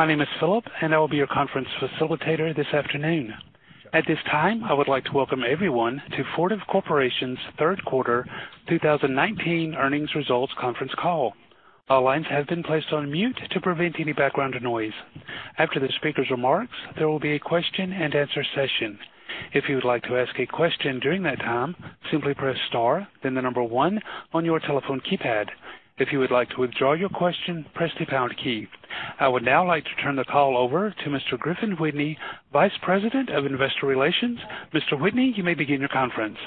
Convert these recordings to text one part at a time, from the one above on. My name is Philip, and I will be your conference facilitator this afternoon. At this time, I would like to welcome everyone to Fortive Corporation's Third Quarter 2019 Earnings Results Conference Call. All lines have been placed on mute to prevent any background noise. After the speaker's remarks, there will be a question and answer session. If you would like to ask a question during that time, simply press star, then the number one on your telephone keypad. If you would like to withdraw your question, press the pound key. I would now like to turn the call over to Mr. Griffin Whitney, Vice President of Investor Relations. Mr. Whitney, you may begin your conference.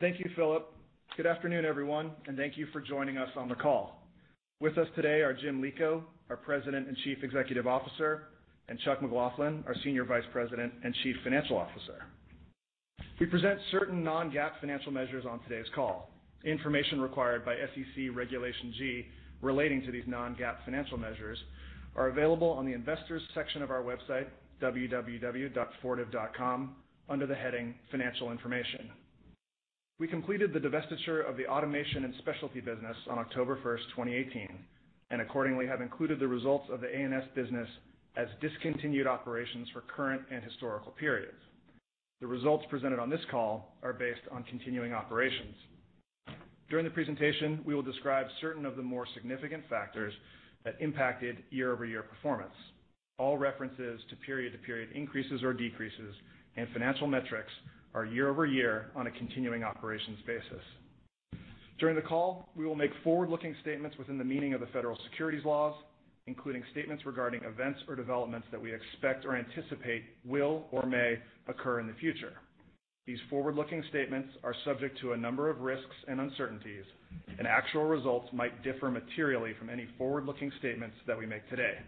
Thank you, Philip. Good afternoon, everyone, and thank you for joining us on the call. With us today are Jim Lico, our President and Chief Executive Officer, and Chuck McLoughlin, our Senior Vice President and Chief Financial Officer. We present certain non-GAAP financial measures on today's call. Information required by SEC Regulation G relating to these non-GAAP financial measures are available on the investors section of our website, www.fortive.com, under the heading Financial Information. We completed the divestiture of the Automation & Specialty business on October 1st, 2018, and accordingly, have included the results of the A&S business as discontinued operations for current and historical periods. The results presented on this call are based on continuing operations. During the presentation, we will describe certain of the more significant factors that impacted year-over-year performance. All references to period-to-period increases or decreases in financial metrics are year-over-year on a continuing operations basis. During the call, we will make forward-looking statements within the meaning of the federal securities laws, including statements regarding events or developments that we expect or anticipate will or may occur in the future. These forward-looking statements are subject to a number of risks and uncertainties, and actual results might differ materially from any forward-looking statements that we make today.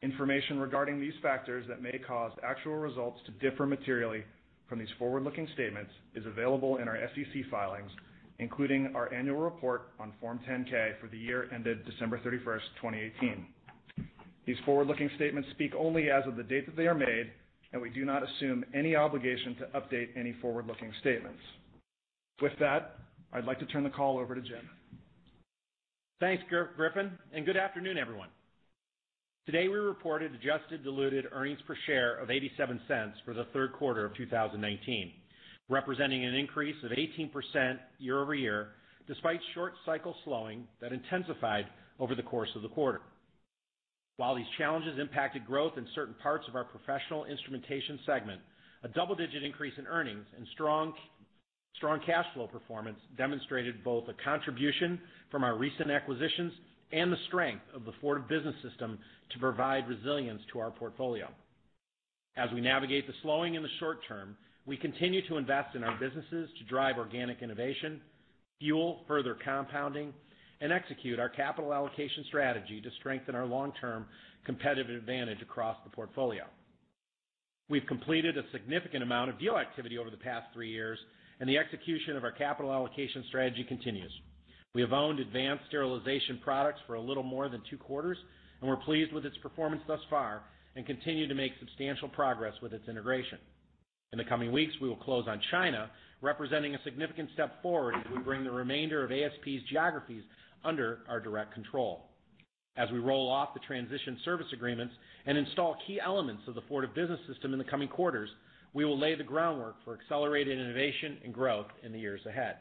Information regarding these factors that may cause actual results to differ materially from these forward-looking statements is available in our SEC filings, including our annual report on Form 10-K for the year ended December 31st, 2018. These forward-looking statements speak only as of the date that they are made, and we do not assume any obligation to update any forward-looking statements. With that, I'd like to turn the call over to Jim. Thanks, Griffin, good afternoon, everyone. Today, we reported adjusted diluted earnings per share of $0.87 for the third quarter of 2019, representing an increase of 18% year-over-year, despite short cycle slowing that intensified over the course of the quarter. While these challenges impacted growth in certain parts of our professional instrumentation segment, a double-digit increase in earnings and strong cash flow performance demonstrated both a contribution from our recent acquisitions and the strength of the Fortive Business System to provide resilience to our portfolio. As we navigate the slowing in the short term, we continue to invest in our businesses to drive organic innovation, fuel further compounding, and execute our capital allocation strategy to strengthen our long-term competitive advantage across the portfolio. We've completed a significant amount of deal activity over the past three years, and the execution of our capital allocation strategy continues. We have owned Advanced Sterilization Products for a little more than two quarters. We're pleased with its performance thus far and continue to make substantial progress with its integration. In the coming weeks, we will close on China, representing a significant step forward as we bring the remainder of ASP's geographies under our direct control. As we roll off the transition service agreements and install key elements of the Fortive Business System in the coming quarters, we will lay the groundwork for accelerated innovation and growth in the years ahead.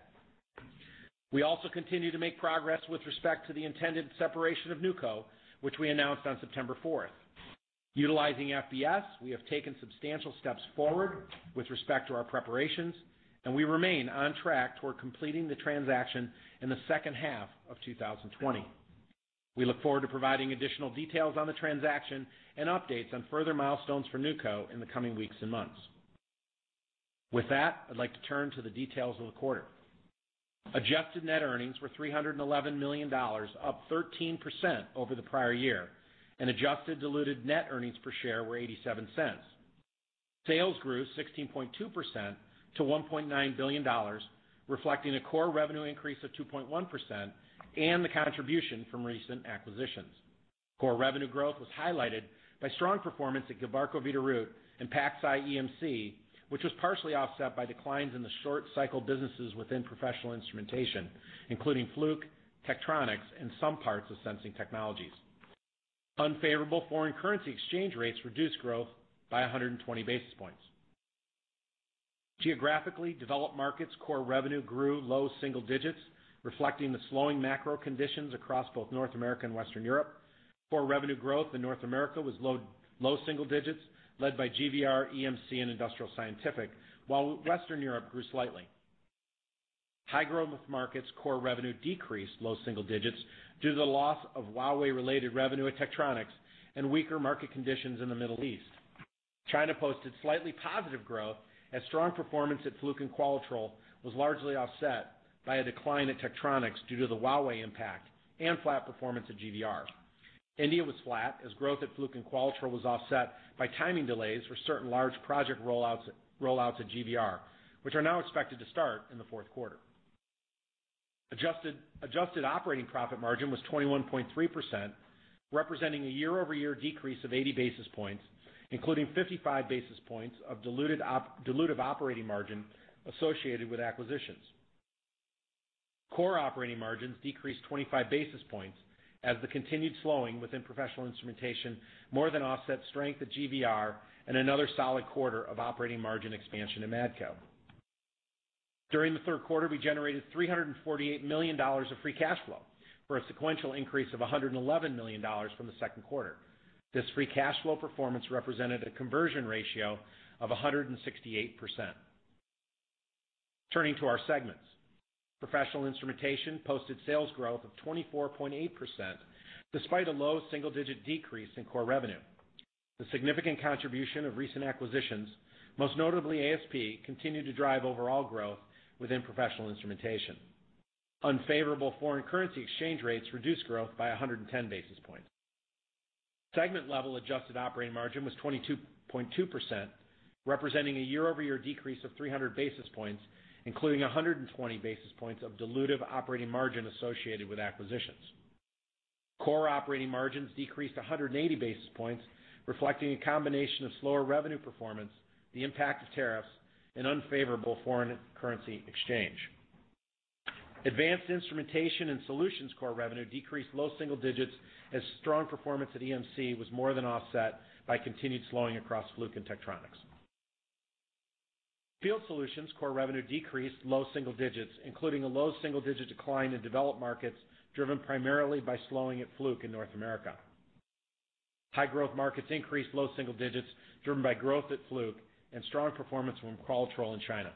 We also continue to make progress with respect to the intended separation of NewCo, which we announced on September 4th. Utilizing FBS, we have taken substantial steps forward with respect to our preparations, and we remain on track toward completing the transaction in the second half of 2020. We look forward to providing additional details on the transaction and updates on further milestones for NewCo in the coming weeks and months. With that, I'd like to turn to the details of the quarter. Adjusted net earnings were $311 million, up 13% over the prior year, and adjusted diluted net earnings per share were $0.87. Sales grew 16.2% to $1.9 billion, reflecting a core revenue increase of 2.1% and the contribution from recent acquisitions. Core revenue growth was highlighted by strong performance at Gilbarco Veeder-Root and PacSci EMC, which was partially offset by declines in the short cycle businesses within professional instrumentation, including Fluke, Tektronix, and some parts of sensing technologies. Unfavorable foreign currency exchange rates reduced growth by 120 basis points. Geographically, developed markets core revenue grew low single digits, reflecting the slowing macro conditions across both North America and Western Europe. Core revenue growth in North America was low single digits, led by GVR, EMC, and Industrial Scientific. Western Europe grew slightly. High growth markets core revenue decreased low single digits due to the loss of Huawei-related revenue at Tektronix and weaker market conditions in the Middle East. China posted slightly positive growth as strong performance at Fluke and Qualitrol was largely offset by a decline at Tektronix due to the Huawei impact and flat performance at GVR. India was flat as growth at Fluke and Qualitrol was offset by timing delays for certain large project rollouts at GVR, which are now expected to start in the fourth quarter. Adjusted operating profit margin was 21.3%, representing a year-over-year decrease of 80 basis points, including 55 basis points of dilutive operating margin associated with acquisitions. Core operating margins decreased 25 basis points as the continued slowing within Professional Instrumentation more than offset strength at GVR and another solid quarter of operating margin expansion in Matco. During the third quarter, we generated $348 million of free cash flow for a sequential increase of $111 million from the second quarter. This free cash flow performance represented a conversion ratio of 168%. Turning to our segments. Professional Instrumentation posted sales growth of 24.8% despite a low double-digit decrease in core revenue. The significant contribution of recent acquisitions, most notably ASP, continued to drive overall growth within Professional Instrumentation. Unfavorable foreign currency exchange rates reduced growth by 110 basis points. Segment-level adjusted operating margin was 22.2%, representing a year-over-year decrease of 300 basis points, including 120 basis points of dilutive operating margin associated with acquisitions. Core operating margins decreased 180 basis points, reflecting a combination of slower revenue performance, the impact of tariffs, and unfavorable foreign currency exchange. Advanced Instrumentation and Solutions core revenue decreased low single digits as strong performance at EMC was more than offset by continued slowing across Fluke and Tektronix. Field Solutions core revenue decreased low single digits, including a low single-digit decline in developed markets, driven primarily by slowing at Fluke in North America. High-Growth Markets increased low single digits driven by growth at Fluke and strong performance from Qualitrol in China.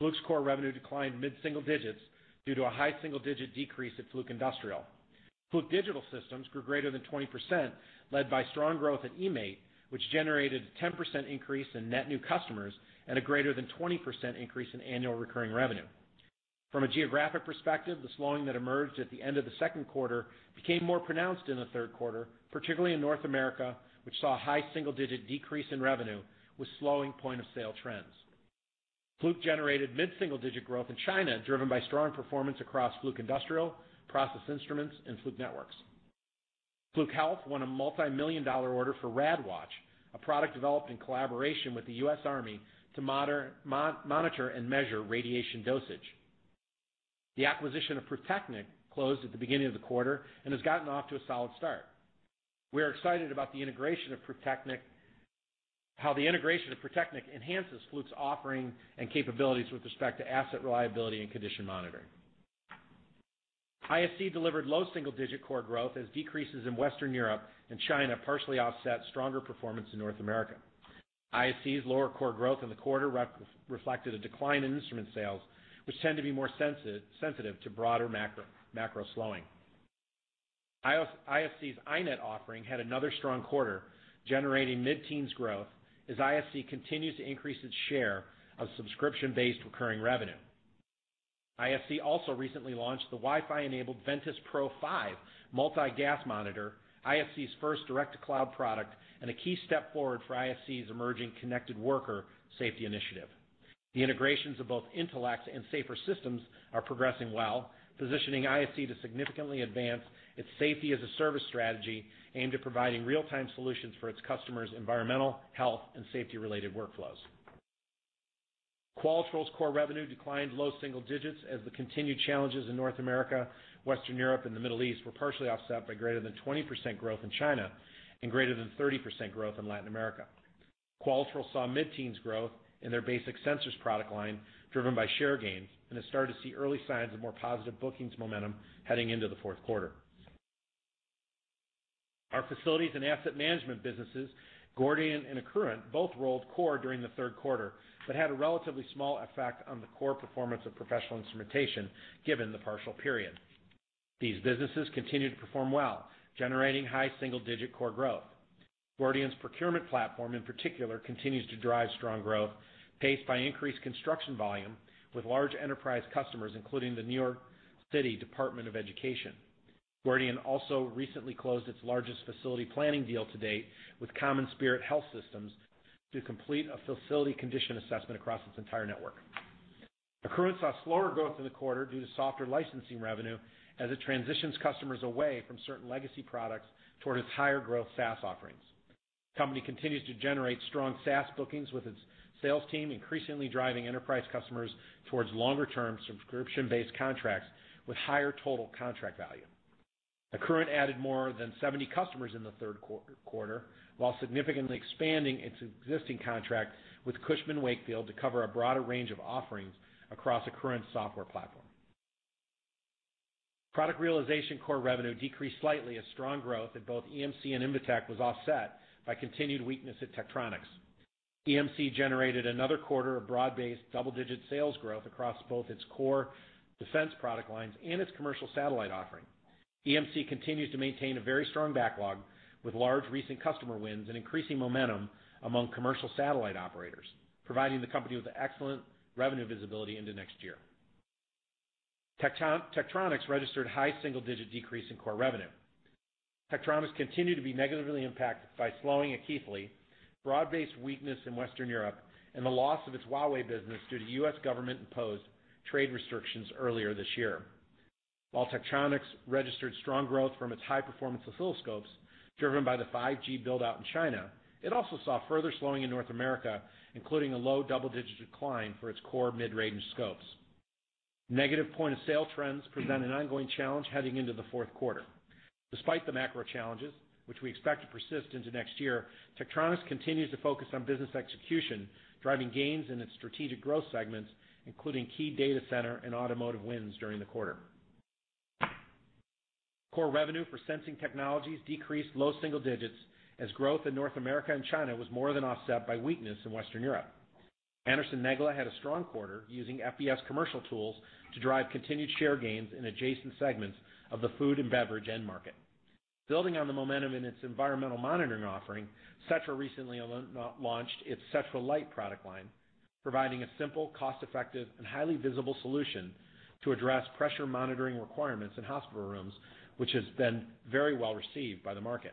Fluke's core revenue declined mid-single digits due to a high single-digit decrease at Fluke Industrial. Fluke Digital Systems grew greater than 20%, led by strong growth at eMaint, which generated a 10% increase in net new customers and a greater than 20% increase in annual recurring revenue. From a geographic perspective, the slowing that emerged at the end of the second quarter became more pronounced in the third quarter, particularly in North America, which saw a high single-digit decrease in revenue with slowing point-of-sale trends. Fluke generated mid-single-digit growth in China, driven by strong performance across Fluke Industrial, process instruments, and Fluke Networks. Fluke Health won a multimillion-dollar order for RadWatch, a product developed in collaboration with the U.S. Army to monitor and measure radiation dosage. The acquisition of Pruftechnik closed at the beginning of the quarter and has gotten off to a solid start. We are excited about how the integration of Pruftechnik enhances Fluke's offering and capabilities with respect to asset reliability and condition monitoring. ISC delivered low single-digit core growth as decreases in Western Europe and China partially offset stronger performance in North America. ISC's lower core growth in the quarter reflected a decline in instrument sales, which tend to be more sensitive to broader macro slowing. ISC's iNet offering had another strong quarter, generating mid-teens growth as ISC continues to increase its share of subscription-based recurring revenue. ISC also recently launched the Wi-Fi-enabled Ventis Pro5 multi-gas monitor, ISC's first direct-to-cloud product and a key step forward for ISC's emerging Connected Worker safety initiative. The integrations of both Intelex and SAFER Systems are progressing well, positioning ISC to significantly advance its safety-as-a-service strategy aimed at providing real-time solutions for its customers' environmental, health, and safety-related workflows. Qualitrol's core revenue declined low single digits as the continued challenges in North America, Western Europe, and the Middle East were partially offset by greater than 20% growth in China and greater than 30% growth in Latin America. Qualitrol saw mid-teens growth in their basic sensors product line, driven by share gains, and has started to see early signs of more positive bookings momentum heading into the fourth quarter. Our facilities and asset management businesses, Gordian and Accruent, both rolled core during the third quarter but had a relatively small effect on the core performance of professional instrumentation, given the partial period. These businesses continue to perform well, generating high single-digit core growth. Gordian's procurement platform, in particular, continues to drive strong growth paced by increased construction volume with large enterprise customers, including the New York City Department of Education. Gordian also recently closed its largest facility planning deal to date with CommonSpirit Health to complete a facility condition assessment across its entire network. Accruent saw slower growth in the quarter due to softer licensing revenue as it transitions customers away from certain legacy products toward its higher-growth SaaS offerings. The company continues to generate strong SaaS bookings, with its sales team increasingly driving enterprise customers towards longer-term subscription-based contracts with higher total contract value. Accruent added more than 70 customers in the third quarter while significantly expanding its existing contract with Cushman & Wakefield to cover a broader range of offerings across Accruent's software platform. Product realization core revenue decreased slightly as strong growth at both EMC and Invetech was offset by continued weakness at Tektronix. EMC generated another quarter of broad-based double-digit sales growth across both its core defense product lines and its commercial satellite offering. EMC continues to maintain a very strong backlog with large recent customer wins and increasing momentum among commercial satellite operators, providing the company with excellent revenue visibility into next year. Tektronix registered high single-digit decrease in core revenue. Tektronix continued to be negatively impacted by slowing at Keithley Broad-based weakness in Western Europe and the loss of its Huawei business due to U.S. government-imposed trade restrictions earlier this year. While Tektronix registered strong growth from its high-performance oscilloscopes, driven by the 5G build-out in China, it also saw further slowing in North America, including a low double-digit decline for its core mid-range scopes. Negative point-of-sale trends present an ongoing challenge heading into the fourth quarter. Despite the macro challenges, which we expect to persist into next year, Tektronix continues to focus on business execution, driving gains in its strategic growth segments, including key data center and automotive wins during the quarter. Core revenue for sensing technologies decreased low single digits as growth in North America and China was more than offset by weakness in Western Europe. Anderson-Negele had a strong quarter using FBS commercial tools to drive continued share gains in adjacent segments of the food and beverage end market. Building on the momentum in its environmental monitoring offering, Setra recently launched its Setra Lite product line, providing a simple, cost-effective, and highly visible solution to address pressure monitoring requirements in hospital rooms, which has been very well received by the market.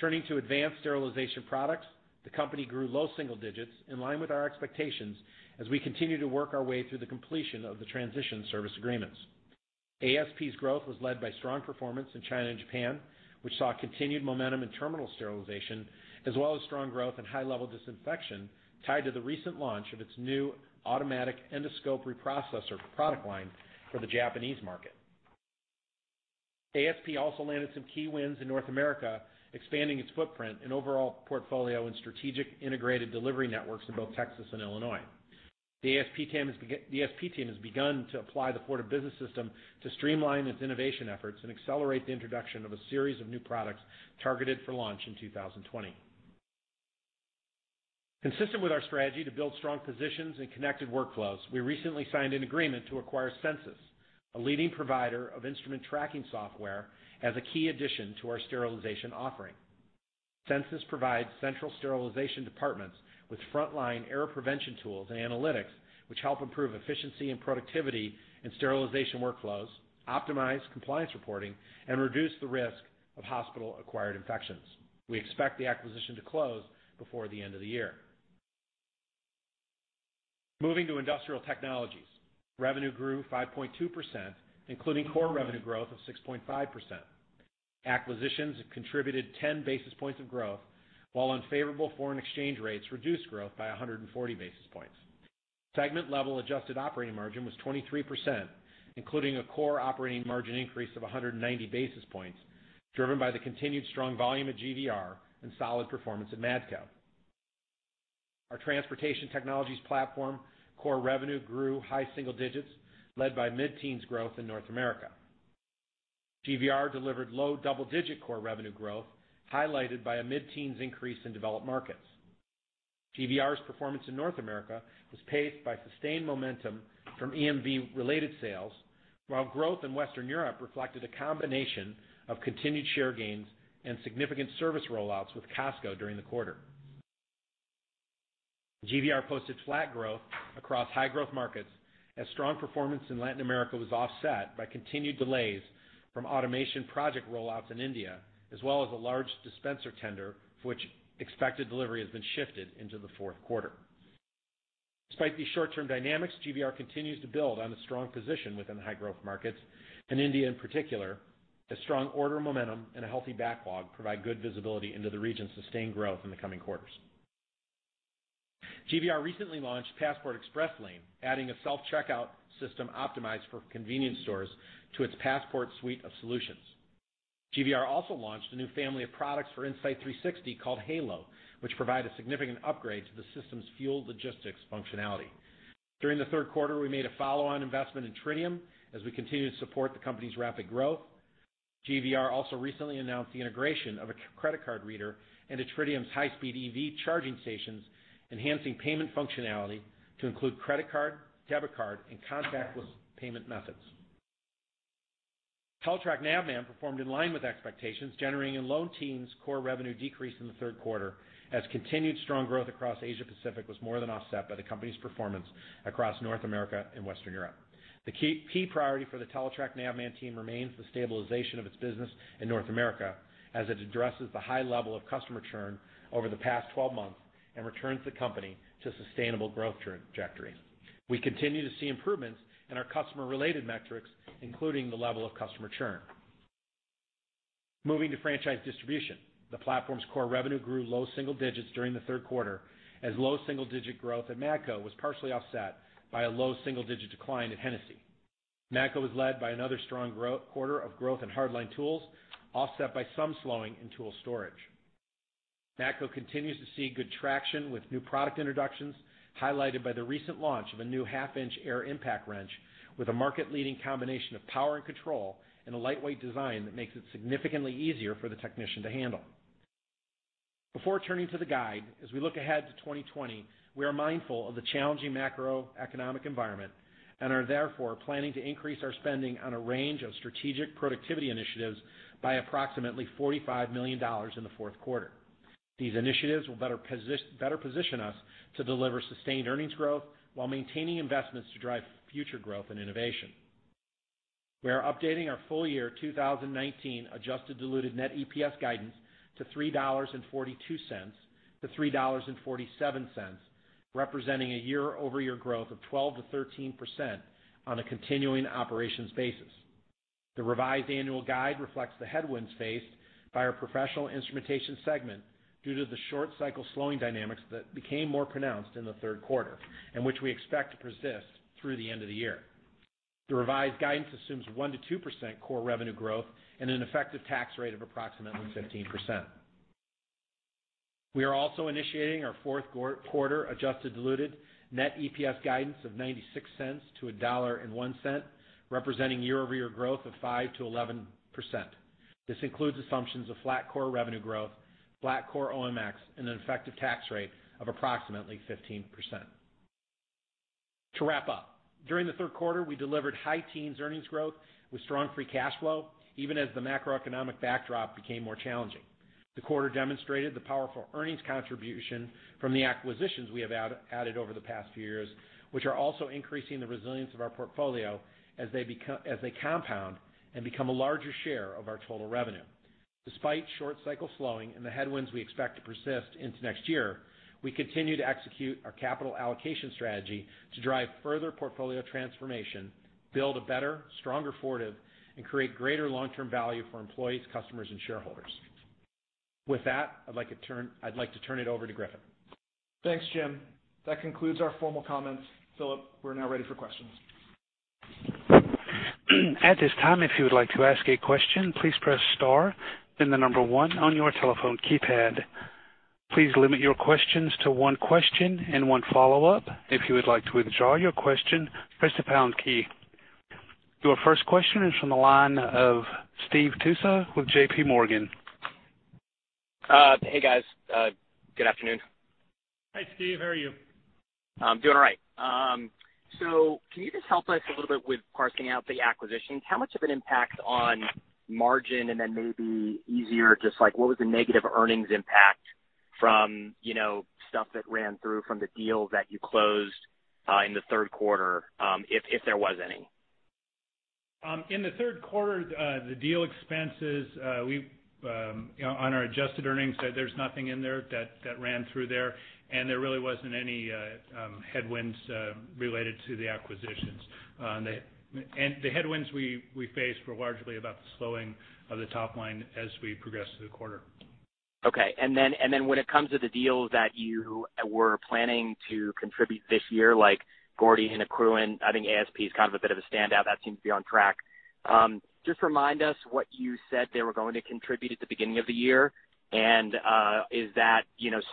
Turning to Advanced Sterilization Products, the company grew low single digits, in line with our expectations, as we continue to work our way through the completion of the transition service agreements. ASP's growth was led by strong performance in China and Japan, which saw continued momentum in terminal sterilization as well as strong growth in high-level disinfection tied to the recent launch of its new automatic endoscope reprocessor product line for the Japanese market. ASP also landed some key wins in North America, expanding its footprint and overall portfolio in strategic integrated delivery networks in both Texas and Illinois. The ASP team has begun to apply the Fortive Business System to streamline its innovation efforts and accelerate the introduction of a series of new products targeted for launch in 2020. Consistent with our strategy to build strong positions in connected workflows, we recently signed an agreement to acquire Censis, a leading provider of instrument tracking software, as a key addition to our sterilization offering. Censis provides central sterilization departments with frontline error prevention tools and analytics, which help improve efficiency and productivity in sterilization workflows, optimize compliance reporting, and reduce the risk of hospital-acquired infections. We expect the acquisition to close before the end of the year. Moving to industrial technologies. Revenue grew 5.2%, including core revenue growth of 6.5%. Acquisitions contributed 10 basis points of growth, while unfavorable foreign exchange rates reduced growth by 140 basis points. Segment-level adjusted operating margin was 23%, including a core operating margin increase of 190 basis points, driven by the continued strong volume at GVR and solid performance at Matco. Our Transportation Technologies Platform core revenue grew high single digits, led by mid-teens growth in North America. GVR delivered low double-digit core revenue growth, highlighted by a mid-teens increase in developed markets. GVR's performance in North America was paced by sustained momentum from EMV-related sales, while growth in Western Europe reflected a combination of continued share gains and significant service rollouts with Casco during the quarter. GVR posted flat growth across high-growth markets as strong performance in Latin America was offset by continued delays from automation project rollouts in India, as well as a large dispenser tender for which expected delivery has been shifted into the fourth quarter. Despite these short-term dynamics, GVR continues to build on a strong position within high-growth markets, and India in particular, as strong order momentum and a healthy backlog provide good visibility into the region's sustained growth in the coming quarters. GVR recently launched Passport Express Lane, adding a self-checkout system optimized for convenience stores to its Passport suite of solutions. GVR also launched a new family of products for Insite360 called HALO, which provide a significant upgrade to the system's fuel logistics functionality. During the third quarter, we made a follow-on investment in Tritium as we continue to support the company's rapid growth. GVR also recently announced the integration of a credit card reader into Tritium's high-speed EV charging stations, enhancing payment functionality to include credit card, debit card, and contactless payment methods. Teletrac Navman performed in line with expectations, generating a low teens core revenue decrease in the third quarter as continued strong growth across Asia Pacific was more than offset by the company's performance across North America and Western Europe. The key priority for the Teletrac Navman team remains the stabilization of its business in North America as it addresses the high level of customer churn over the past 12 months and returns the company to a sustainable growth trajectory. We continue to see improvements in our customer-related metrics, including the level of customer churn. Moving to franchise distribution. The platform's core revenue grew low single digits during the third quarter as low double-digit growth at Matco was partially offset by a low single-digit decline at Hennessy. Matco was led by another strong quarter of growth in hardline tools, offset by some slowing in tool storage. Matco continues to see good traction with new product introductions, highlighted by the recent launch of a new half-inch air impact wrench with a market-leading combination of power and control and a lightweight design that makes it significantly easier for the technician to handle. Before turning to the guide, as we look ahead to 2020, we are mindful of the challenging macroeconomic environment and are therefore planning to increase our spending on a range of strategic productivity initiatives by approximately $45 million in the fourth quarter. These initiatives will better position us to deliver sustained earnings growth while maintaining investments to drive future growth and innovation. We are updating our full year 2019 adjusted diluted net EPS guidance to $3.42-$3.47, representing a year-over-year growth of 12%-13% on a continuing operations basis. The revised annual guide reflects the headwinds faced by our professional instrumentation segment due to the short cycle slowing dynamics that became more pronounced in the third quarter, and which we expect to persist through the end of the year. The revised guidance assumes 1%-2% core revenue growth and an effective tax rate of approximately 15%. We are also initiating our fourth quarter adjusted diluted net EPS guidance of $0.96-$1.1, representing year-over-year growth of 5%-11%. This includes assumptions of flat core revenue growth, flat core OM, and an effective tax rate of approximately 15%. To wrap up, during the third quarter, we delivered high teens earnings growth with strong free cash flow, even as the macroeconomic backdrop became more challenging. The quarter demonstrated the powerful earnings contribution from the acquisitions we have added over the past few years, which are also increasing the resilience of our portfolio as they compound and become a larger share of our total revenue. Despite short cycle slowing and the headwinds we expect to persist into next year, we continue to execute our capital allocation strategy to drive further portfolio transformation, build a better, stronger Fortive, and create greater long-term value for employees, customers, and shareholders. With that, I'd like to turn it over to Griffin. Thanks, Jim. That concludes our formal comments. Philip, we're now ready for questions. At this time, if you would like to ask a question, please press star, then the number one on your telephone keypad. Please limit your questions to one question and one follow-up. If you would like to withdraw your question, press the pound key. Your first question is from the line of Stephen Tusa with JPMorgan. Hey, guys. Good afternoon. Hi, Steve. How are you? I'm doing all right. Can you just help us a little bit with parsing out the acquisitions? How much of an impact on margin, and then maybe easier, just like what was the negative earnings impact from stuff that ran through from the deals that you closed in the third quarter, if there was any? In the third quarter, the deal expenses on our adjusted earnings, there's nothing in there that ran through there, and there really wasn't any headwinds related to the acquisitions. The headwinds we faced were largely about the slowing of the top line as we progressed through the quarter. Okay. Then when it comes to the deals that you were planning to contribute this year, like Gordian, Accruent, I think ASP is kind of a bit of a standout, that seems to be on track. Just remind us what you said they were going to contribute at the beginning of the year, and is that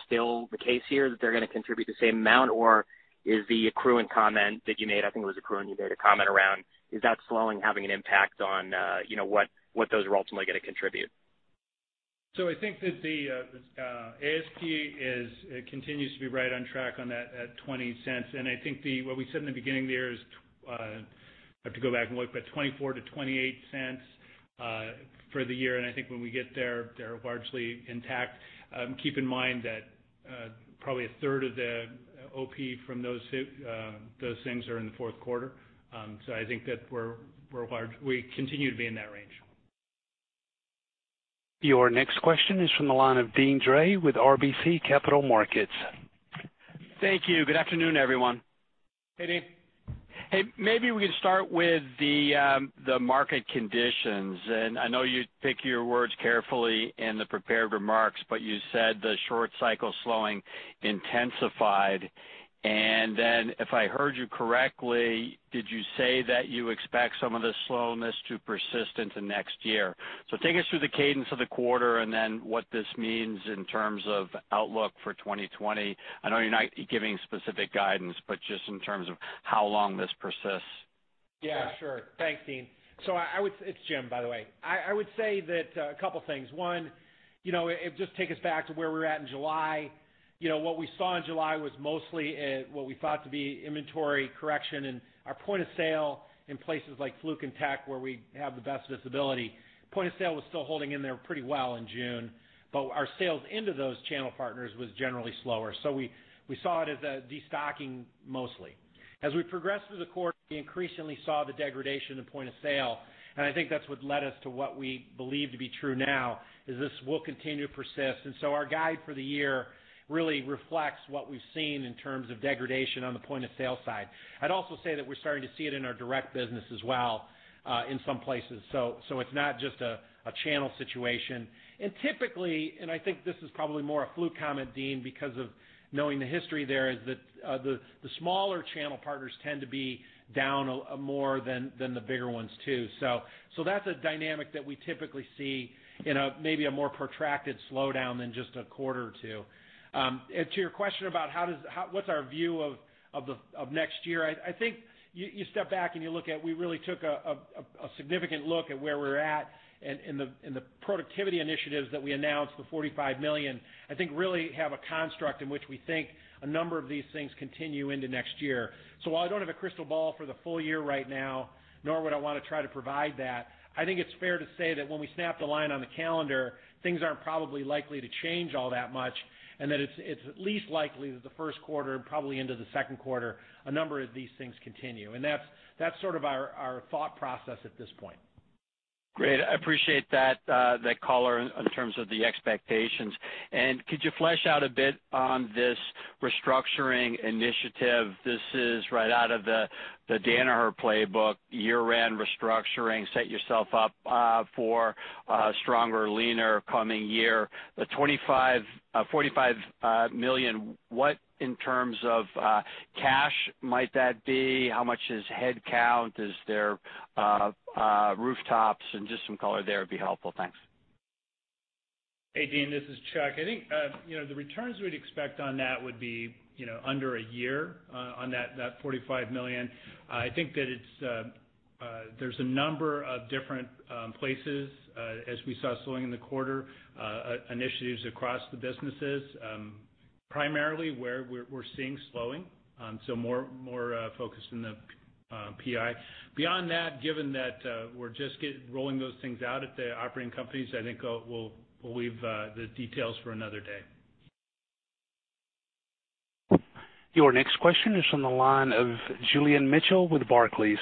still the case here, that they're going to contribute the same amount, or is the Accruent comment that you made, I think it was Accruent you made a comment around, is that slowing having an impact on what those are ultimately going to contribute? I think that the ASP continues to be right on track on that at $0.20. I think what we said in the beginning of the year is, I'd have to go back and look, but $0.24-$0.28 for the year. I think when we get there, they're largely intact. Keep in mind that probably a third of the OP from those things are in the fourth quarter. I think that we continue to be in that range. Your next question is from the line of Deane Dray with RBC Capital Markets. Thank you. Good afternoon, everyone. Hey, Deane. Hey, maybe we can start with the market conditions. I know you pick your words carefully in the prepared remarks, but you said the short cycle slowing intensified. If I heard you correctly, did you say that you expect some of this slowness to persist into next year? Take us through the cadence of the quarter and then what this means in terms of outlook for 2020. I know you're not giving specific guidance, but just in terms of how long this persists. Yeah, sure. Thanks, Deane. It's Jim, by the way. I would say a couple things. One, just take us back to where we were at in July. What we saw in July was mostly what we thought to be inventory correction, and our point of sale in places like Fluke and Tek, where we have the best visibility. Point of sale was still holding in there pretty well in June, but our sales into those channel partners was generally slower. We saw it as a destocking mostly. As we progressed through the quarter, we increasingly saw the degradation in point of sale, and I think that's what led us to what we believe to be true now, is this will continue to persist. Our guide for the year really reflects what we've seen in terms of degradation on the point of sale side. I'd also say that we're starting to see it in our direct business as well in some places. It's not just a channel situation. Typically, I think this is probably more a Fluke comment, Deane, because of knowing the history there is that the smaller channel partners tend to be down more than the bigger ones too. To your question about what's our view of next year, I think you step back, and you look at, we really took a significant look at where we're at in the productivity initiatives that we announced, the $45 million, I think really have a construct in which we think a number of these things continue into next year. While I don't have a crystal ball for the full year right now, nor would I want to try to provide that, I think it's fair to say that when we snap the line on the calendar, things aren't probably likely to change all that much, and that it's at least likely that the first quarter and probably into the second quarter, a number of these things continue. That's sort of our thought process at this point. Great. I appreciate that color in terms of the expectations. Could you flesh out a bit on this restructuring initiative? This is right out of the Danaher playbook, year-end restructuring, set yourself up for a stronger, leaner coming year. The $45 million, what in terms of cash might that be? How much is head count? Is there rooftops? Just some color there would be helpful. Thanks. Hey, Deane, this is Chuck. I think the returns we'd expect on that would be under a year on that $45 million. I think that there's a number of different places, as we saw slowing in the quarter, initiatives across the businesses, primarily where we're seeing slowing. More focused in the PI. Beyond that, given that we're just rolling those things out at the operating companies, I think we'll leave the details for another day. Your next question is from the line of Julian Mitchell with Barclays.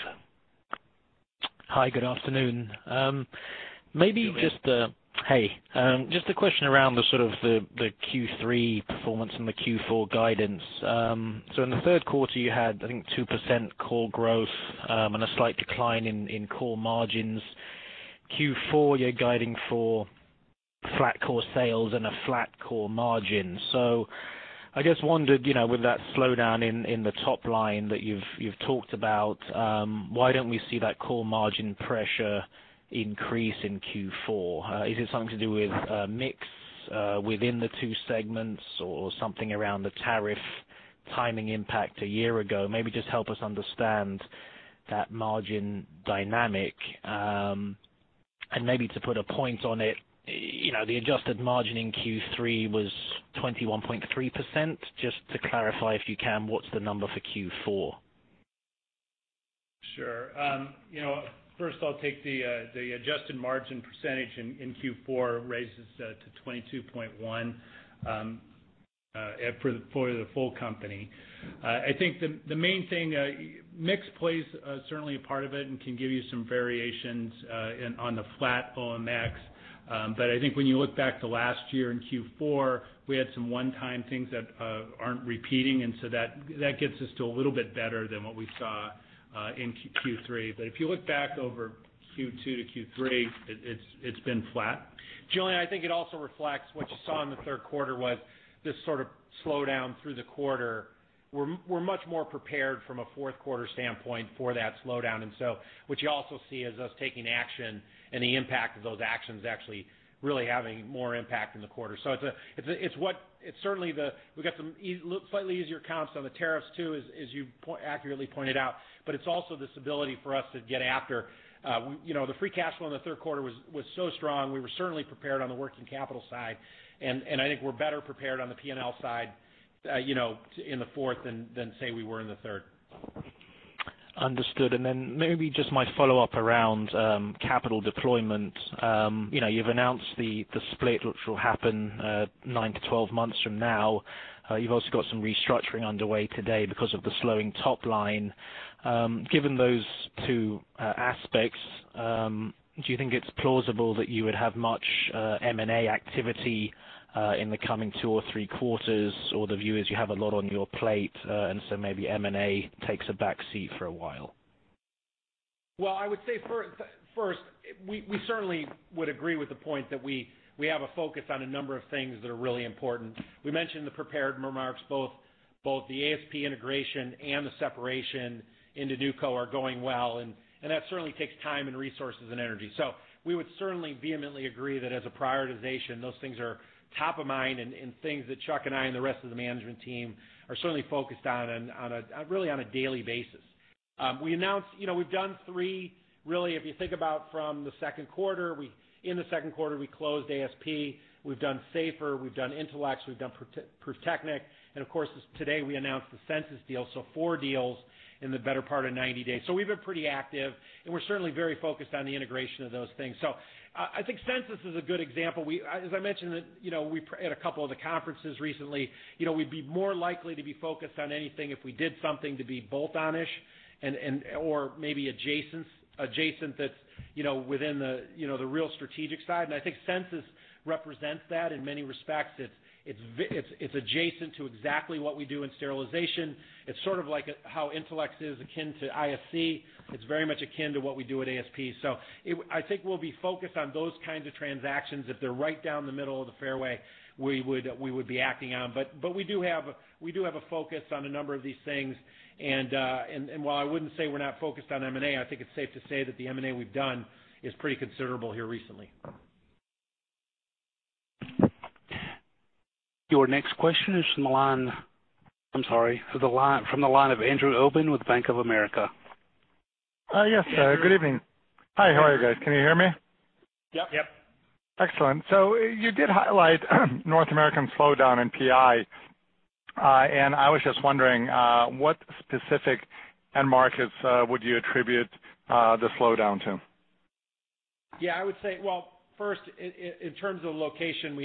Hi, good afternoon. Julian. Hey. Just a question around the sort of the Q3 performance and the Q4 guidance. In the third quarter you had, I think, 2% core growth and a slight decline in core margins. Q4, you're guiding for flat core sales and a flat core margin. I just wondered, with that slowdown in the top line that you've talked about, why don't we see that core margin pressure increase in Q4? Is it something to do with mix within the two segments or something around the tariff timing impact a year ago? Maybe just help us understand that margin dynamic. Maybe to put a point on it, the adjusted margin in Q3 was 21.3%. Just to clarify, if you can, what's the number for Q4? Sure. First I'll take the adjusted margin % in Q4 raises to 22.1% for the full company. I think the main thing, mix plays certainly a part of it and can give you some variations on the flat OpEx. I think when you look back to last year in Q4, we had some one-time things that aren't repeating, and so that gets us to a little bit better than what we saw in Q3. If you look back over Q2 to Q3, it's been flat. Julian, I think it also reflects what you saw in the third quarter was this sort of slowdown through the quarter. We're much more prepared from a fourth quarter standpoint for that slowdown. What you also see is us taking action and the impact of those actions actually really having more impact in the quarter. We've got some slightly easier comps on the tariffs too, as you accurately pointed out, but it's also this ability for us to get after. The free cash flow in the third quarter was so strong, we were certainly prepared on the working capital side, and I think we're better prepared on the P&L side in the fourth than, say, we were in the third. Understood. Maybe just my follow-up around capital deployment. You've announced the split, which will happen 9 to 12 months from now. You've also got some restructuring underway today because of the slowing top line. Given those two aspects, do you think it's plausible that you would have much M&A activity in the coming two or three quarters? The view is you have a lot on your plate, and so maybe M&A takes a backseat for a while? Well, I would say first, we certainly would agree with the point that we have a focus on a number of things that are really important. We mentioned the prepared remarks, both the ASP integration and the separation into NewCo are going well, and that certainly takes time and resources and energy. We would certainly vehemently agree that as a prioritization, those things are top of mind and things that Chuck and I and the rest of the management team are certainly focused on really on a daily basis. We've done three, really, if you think about from the second quarter, in the second quarter, we closed ASP, we've done SAFER, we've done Intelex, we've done Pruftechnik, and of course, today we announced the Censis deal. Four deals in the better part of 90 days. We've been pretty active, and we're certainly very focused on the integration of those things. I think Censis is a good example. As I mentioned at a couple of the conferences recently, we'd be more likely to be focused on anything if we did something to be bolt-on-ish or maybe adjacent that's within the real strategic side. I think Censis represents that in many respects. It's adjacent to exactly what we do in sterilization. It's sort of like how Intelex is akin to ISC. It's very much akin to what we do at ASP. I think we'll be focused on those kinds of transactions. If they're right down the middle of the fairway, we would be acting on. We do have a focus on a number of these things. While I wouldn't say we're not focused on M&A, I think it's safe to say that the M&A we've done is pretty considerable here recently. Your next question is from the line of Andrew Obin with Bank of America. Yes, good evening. Hi, how are you guys? Can you hear me? Yep. Yep. Excellent. You did highlight North American slowdown in PI, and I was just wondering what specific end markets would you attribute the slowdown to? Yeah, I would say, well, first, in terms of location,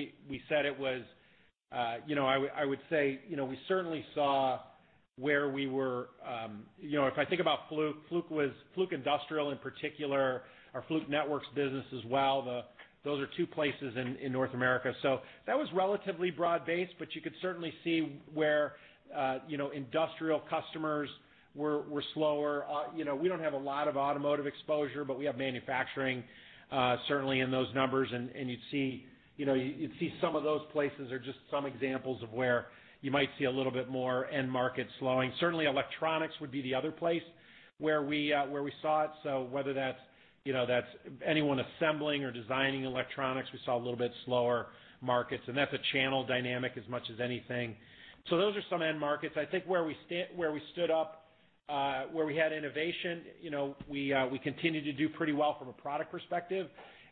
I would say we certainly saw Where we were. If I think about Fluke Industrial in particular, our Fluke Networks business as well, those are two places in North America. That was relatively broad-based, but you could certainly see where industrial customers were slower. We don't have a lot of automotive exposure, but we have manufacturing certainly in those numbers, and you'd see some of those places are just some examples of where you might see a little bit more end market slowing. Certainly, electronics would be the other place where we saw it. Whether that's anyone assembling or designing electronics, we saw a little bit slower markets, and that's a channel dynamic as much as anything. Those are some end markets. I think where we stood up, where we had innovation, we continued to do pretty well from a product perspective.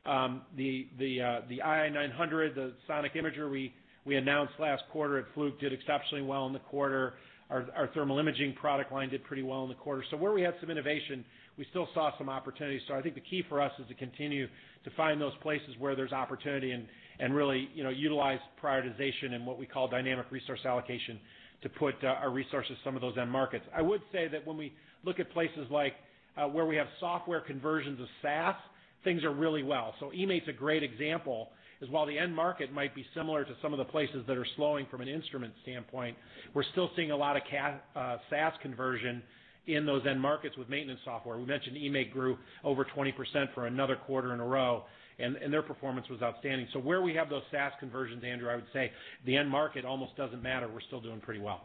The ii900, the sonic imager we announced last quarter at Fluke did exceptionally well in the quarter. Our thermal imaging product line did pretty well in the quarter. Where we had some innovation, we still saw some opportunities. I think the key for us is to continue to find those places where there's opportunity and really utilize prioritization and what we call dynamic resource allocation to put our resources, some of those end markets. I would say that when we look at places like where we have software conversions of SaaS, things are really well. eMaint's a great example, is while the end market might be similar to some of the places that are slowing from an instrument standpoint, we're still seeing a lot of SaaS conversion in those end markets with maintenance software. We mentioned eMaint grew over 20% for another quarter in a row, and their performance was outstanding. Where we have those SaaS conversions, Andrew, I would say the end market almost doesn't matter. We're still doing pretty well.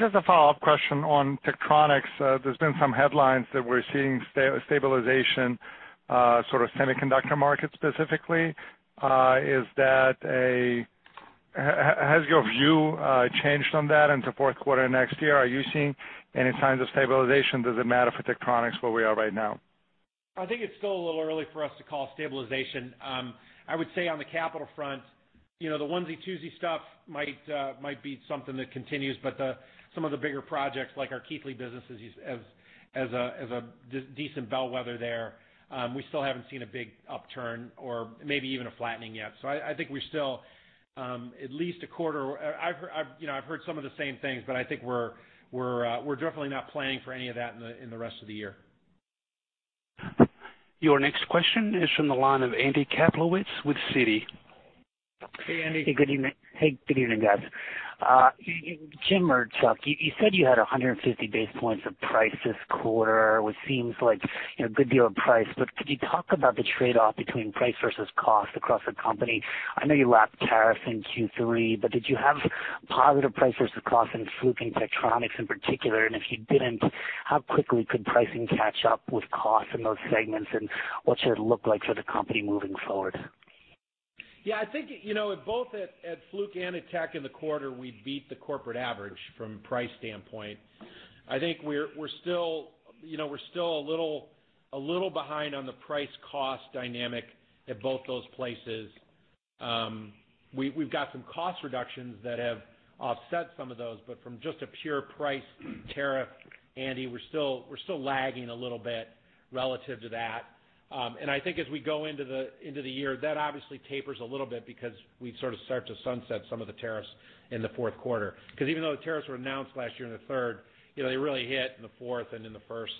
Just a follow-up question on Tektronix. There's been some headlines that we're seeing stabilization, sort of semiconductor market specifically. Has your view changed on that into fourth quarter next year? Are you seeing any signs of stabilization? Does it matter for Tektronix where we are right now? I think it's still a little early for us to call stabilization. I would say on the capital front, the onesie-twosie stuff might be something that continues, but some of the bigger projects, like our Keithley businesses as a decent bellwether there, we still haven't seen a big upturn or maybe even a flattening yet. I think we're still at least a quarter. I've heard some of the same things, but I think we're definitely not planning for any of that in the rest of the year. Your next question is from the line of Andrew Kaplowitz with Citi. Hey, Andy. Hey. Good evening, guys. Jim or Chuck, you said you had 150 basis points of price this quarter, which seems like a good deal of price. Could you talk about the trade-off between price versus cost across the company? I know you lapped tariffs in Q3, but did you have positive price versus cost in Fluke and Tektronix in particular? If you didn't, how quickly could pricing catch up with cost in those segments, and what should it look like for the company moving forward? Yeah, I think, both at Fluke and at Tech in the quarter, we beat the corporate average from price standpoint. I think we're still a little behind on the price-cost dynamic at both those places. We've got some cost reductions that have offset some of those, from just a pure price tariff, Andy, we're still lagging a little bit relative to that. I think as we go into the year, that obviously tapers a little bit because we sort of start to sunset some of the tariffs in the fourth quarter, because even though the tariffs were announced last year in the third, they really hit in the fourth and in the first.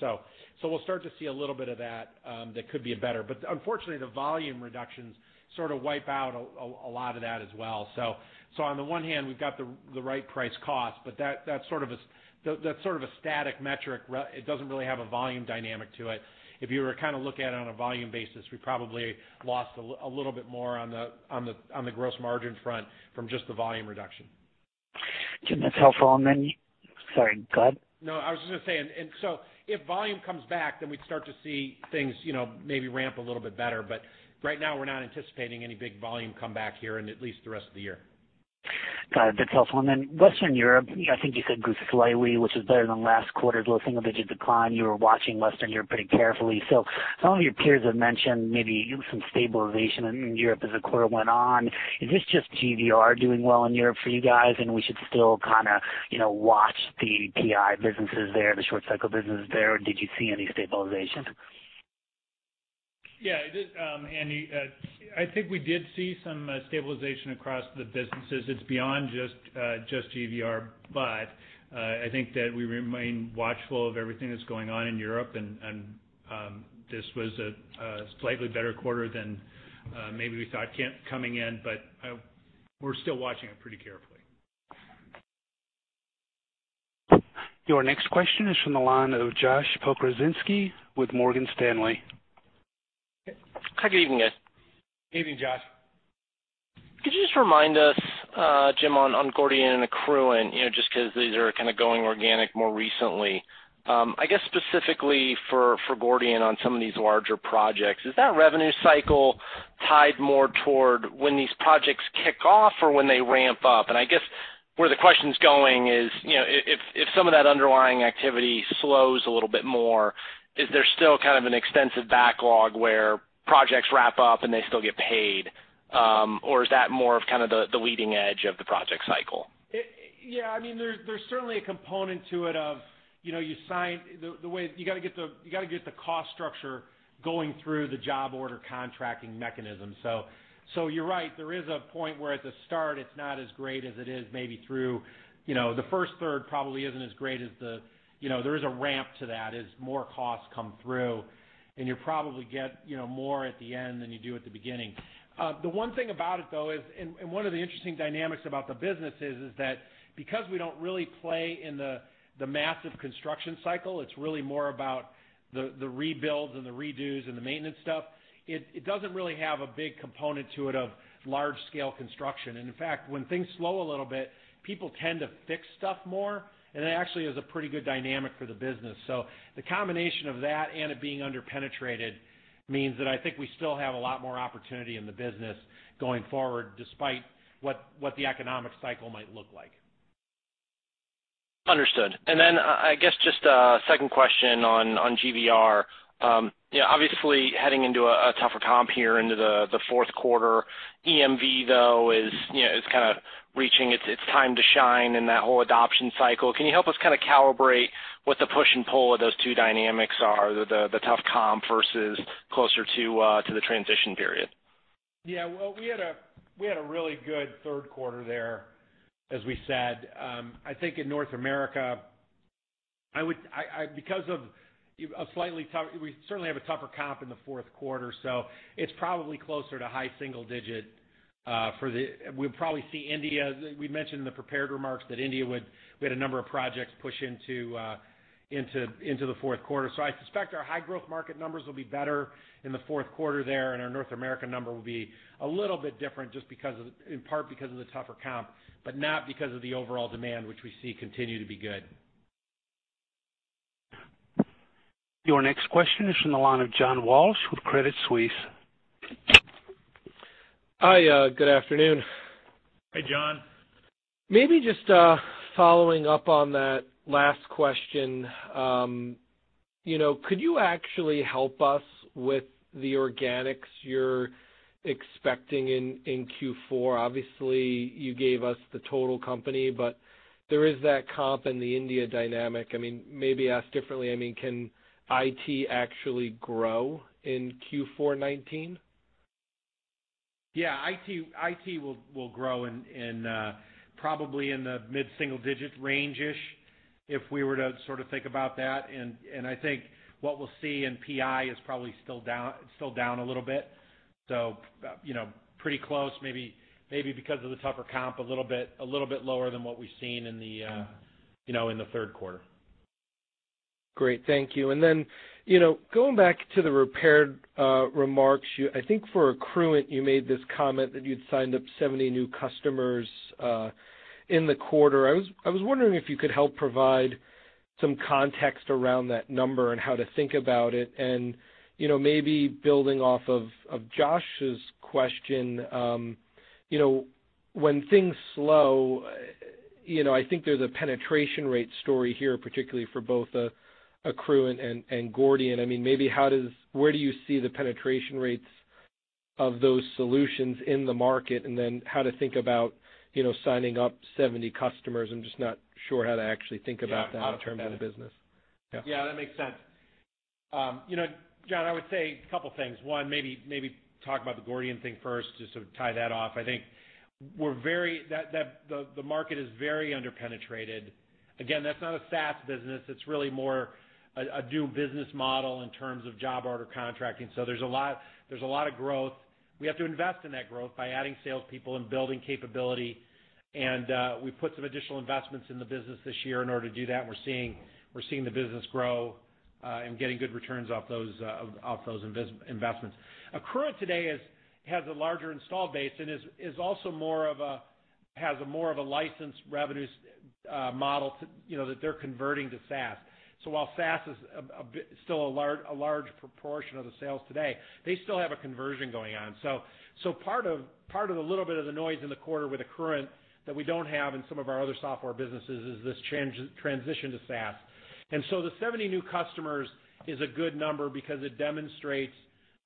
We'll start to see a little bit of that that could be better. Unfortunately, the volume reductions sort of wipe out a lot of that as well. On the one hand, we've got the right price cost, but that's sort of a static metric. It doesn't really have a volume dynamic to it. If you were to kind of look at it on a volume basis, we probably lost a little bit more on the gross margin front from just the volume reduction. Jim, that's helpful. Sorry, go ahead. No, I was just going to say, if volume comes back, we'd start to see things maybe ramp a little bit better. Right now, we're not anticipating any big volume comeback here in at least the rest of the year. Got it. That's helpful. Western Europe, I think you said grew slightly, which is better than last quarter's low single-digit decline. You were watching Western Europe pretty carefully. Some of your peers have mentioned maybe some stabilization in Europe as the quarter went on. Is this just GVR doing well in Europe for you guys, and we should still kind of watch the PI businesses there, the short cycle businesses there, or did you see any stabilization? Yeah. Andy, I think we did see some stabilization across the businesses. It's beyond just GVR, but I think that we remain watchful of everything that's going on in Europe, and this was a slightly better quarter than maybe we thought coming in, but we're still watching it pretty carefully. Your next question is from the line of Joshua Pokrzywinski with Morgan Stanley. Hi, good evening, guys. Evening, Josh. Could you just remind us, Jim, on Gordian and Accruent, just because these are kind of going organic more recently. I guess specifically for Gordian on some of these larger projects, is that revenue cycle tied more toward when these projects kick off or when they ramp up? I guess where the question's going is, if some of that underlying activity slows a little bit more, is there still kind of an extensive backlog where projects wrap up and they still get paid? Or is that more of kind of the leading edge of the project cycle? Yeah, there's certainly a component to it of, you got to get the cost structure going through the job order contracting mechanism. You're right, there is a point where at the start, it's not as great as it is maybe through the first third. There is a ramp to that as more costs come through, and you probably get more at the end than you do at the beginning. The one thing about it though is, one of the interesting dynamics about the business is that because we don't really play in the massive construction cycle, it's really more about the rebuilds and the redos and the maintenance stuff. It doesn't really have a big component to it of large scale construction. In fact, when things slow a little bit, people tend to fix stuff more, and it actually is a pretty good dynamic for the business. The combination of that and it being under-penetrated means that I think we still have a lot more opportunity in the business going forward, despite what the economic cycle might look like. Understood. I guess just a second question on GVR. Obviously heading into a tougher comp here into the fourth quarter. EMV, though, is kind of reaching its time to shine in that whole adoption cycle. Can you help us kind of calibrate what the push and pull of those two dynamics are, the tough comp versus closer to the transition period? Yeah. Well, we had a really good third quarter there, as we said. I think in North America, we certainly have a tougher comp in the fourth quarter, so it's probably closer to high single digit. We'd probably see India, we mentioned in the prepared remarks that India we had a number of projects push into the fourth quarter. I suspect our high growth market numbers will be better in the fourth quarter there, and our North America number will be a little bit different, in part because of the tougher comp, but not because of the overall demand, which we see continue to be good. Your next question is from the line of John Walsh with Credit Suisse. Hi, good afternoon. Hey, John. Maybe just following up on that last question. Could you actually help us with the organics you're expecting in Q4? Obviously, you gave us the total company, but there is that comp and the India dynamic. Maybe asked differently, can IT actually grow in Q4 2019? Yeah. IT will grow probably in the mid-single digit range-ish, if we were to sort of think about that. I think what we'll see in PI is probably still down a little bit. Pretty close, maybe because of the tougher comp, a little bit lower than what we've seen in the third quarter. Great. Thank you. Going back to the prepared remarks, I think for Accruent, you made this comment that you'd signed up 70 new customers in the quarter. I was wondering if you could help provide some context around that number and how to think about it. Maybe building off of Josh's question, when things slow, I think there's a penetration rate story here, particularly for both Accruent and Gordian. Maybe where do you see the penetration rates of those solutions in the market? How to think about signing up 70 customers. I'm just not sure how to actually think about that in terms of the business. Yeah, that makes sense. John, I would say a couple things. One, maybe talk about the Gordian thing first, just to tie that off. I think the market is very under-penetrated. Again, that's not a SaaS business, it's really more a new business model in terms of job order contracting. There's a lot of growth. We have to invest in that growth by adding salespeople and building capability. We put some additional investments in the business this year in order to do that, and we're seeing the business grow, and getting good returns off those investments. Accruent today has a larger install base and has a more of a license revenues model that they're converting to SaaS. While SaaS is still a large proportion of the sales today, they still have a conversion going on. Part of the little bit of the noise in the quarter with Accruent that we don't have in some of our other software businesses is this transition to SaaS. The 70 new customers is a good number because it demonstrates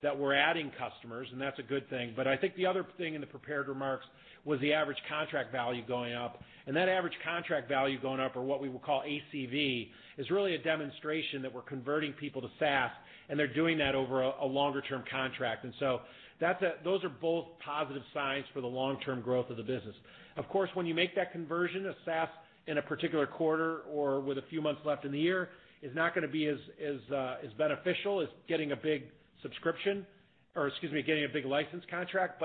that we're adding customers, and that's a good thing. I think the other thing in the prepared remarks was the average contract value going up. That average contract value going up, or what we would call ACV, is really a demonstration that we're converting people to SaaS, and they're doing that over a longer-term contract. Those are both positive signs for the long-term growth of the business. Of course, when you make that conversion of SaaS in a particular quarter or with a few months left in the year, is not going to be as beneficial as getting a big subscription, or excuse me, getting a big license contract.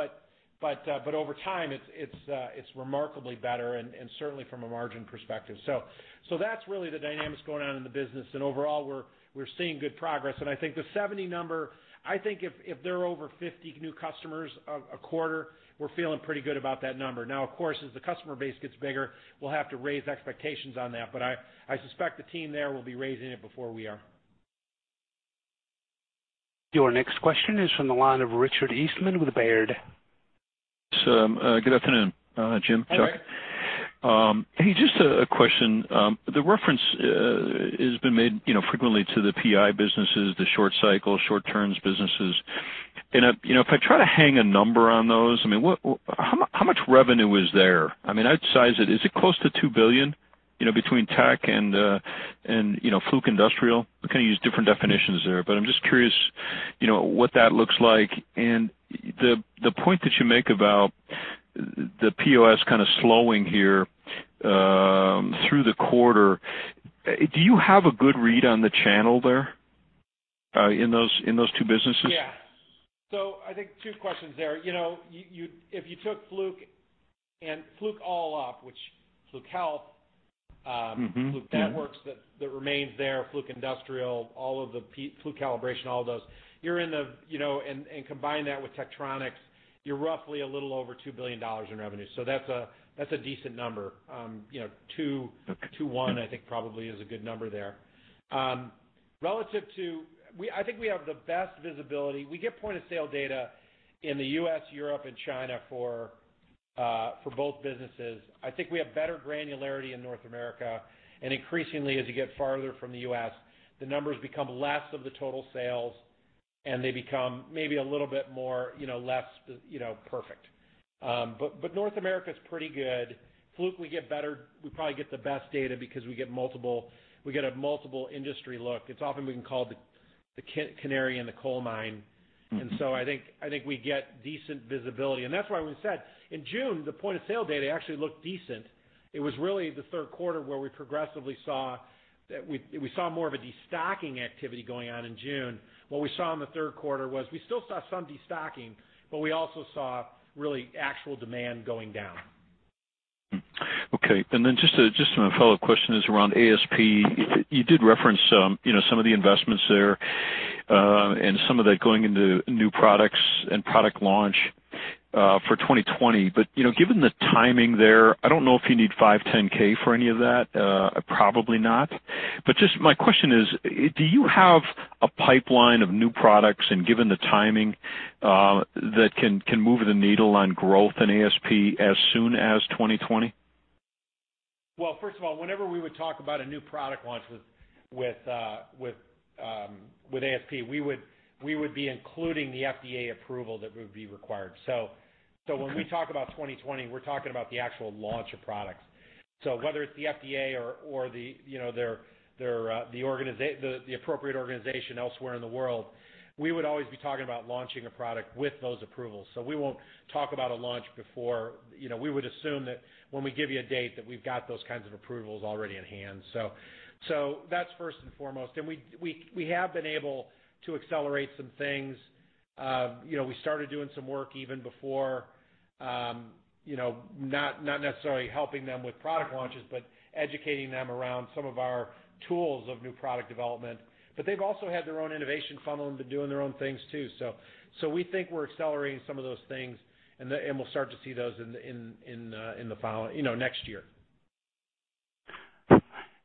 Over time, it's remarkably better and certainly from a margin perspective. That's really the dynamics going on in the business, and overall, we're seeing good progress. I think the 70 number, I think if they're over 50 new customers a quarter, we're feeling pretty good about that number. Of course, as the customer base gets bigger, we'll have to raise expectations on that. I suspect the team there will be raising it before we are. Your next question is from the line of Richard Eastman with Baird. Good afternoon, Jim. Hi, Rick. Hey, just a question. The reference has been made frequently to the PI businesses, the short cycle, short terms businesses. If I try to hang a number on those, how much revenue is there? I'd size it, is it close to $2 billion between Tech and Fluke Industrial? We use different definitions there, but I'm just curious what that looks like. The point that you make about the POS slowing here through the quarter, do you have a good read on the channel there in those two businesses? Yeah. I think two questions there. If you took Fluke and Fluke all up, which Fluke Health- Fluke Networks that remains there, Fluke Industrial, all of the Fluke Calibration, all of those, combine that with Tektronix, you're roughly a little over $2 billion in revenue. That's a decent number. $2.1 billion, I think, probably is a good number there. I think we have the best visibility. We get point-of-sale data in the U.S., Europe, and China for both businesses. I think we have better granularity in North America, increasingly, as you get farther from the U.S., the numbers become less of the total sales, they become maybe a little bit less perfect. North America's pretty good. Fluke, we probably get the best data because we get a multiple industry look. It's often been called the canary in the coal mine. I think we get decent visibility. That's why we said, in June, the point-of-sale data actually looked decent. It was really the third quarter where we saw more of a destocking activity going on in June. We saw in the third quarter was we still saw some destocking, but we also saw really actual demand going down. Okay. Then just a follow-up question is around ASP. You did reference some of the investments there, and some of that going into new products and product launch for 2020. Given the timing there, I don't know if you need 510(k) for any of that. Probably not. Just my question is, do you have a pipeline of new products, and given the timing, that can move the needle on growth in ASP as soon as 2020? Well, first of all, whenever we would talk about a new product launch with ASP, we would be including the FDA approval that would be required. When we talk about 2020, we're talking about the actual launch of products. Whether it's the FDA or the appropriate organization elsewhere in the world, we would always be talking about launching a product with those approvals. We won't talk about a launch before. We would assume that when we give you a date, that we've got those kinds of approvals already in hand. That's first and foremost. We have been able to accelerate some things. We started doing some work even before, not necessarily helping them with product launches, but educating them around some of our tools of new product development. They've also had their own innovation funnel and been doing their own things too. We think we're accelerating some of those things, and we'll start to see those next year.